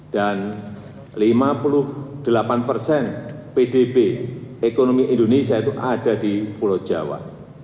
dan lima puluh delapan persen pdb ekonomi indonesia itu ada di pulau jawa